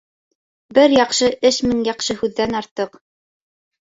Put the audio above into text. Бер яҡшы эш мең яҡшы һүҙҙән артыҡ.